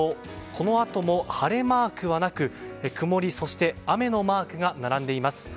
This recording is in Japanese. このあとも晴れマークはなく曇り、そして雨のマークが並んでいます。